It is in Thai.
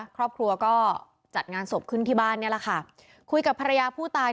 ครอบครัวก็จัดงานศพขึ้นที่บ้านเนี่ยแหละค่ะคุยกับภรรยาผู้ตาย